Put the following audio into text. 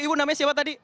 ibu namanya siapa tadi